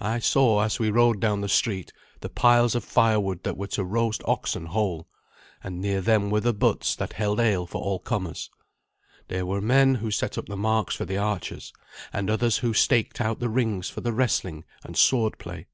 I saw, as we rode down the street, the piles of firewood that were to roast oxen whole, and near them were the butts that held ale for all comers. There were men who set up the marks for the archers, and others who staked out the rings for the wrestling and sword play.